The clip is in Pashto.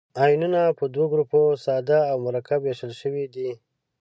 آیونونه په دوه ګروپو ساده او مرکب ویشل شوي دي.